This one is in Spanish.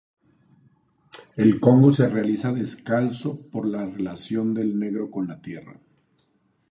El congo se realiza descalzo, por la relación del negro con la tierra.